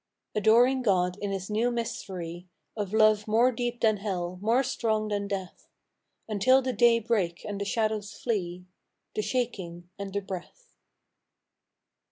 Adoring God in His new mystery Of Love more deep than hell, more s death: Until the day break and the shadows flee, The Shaking and the Breath.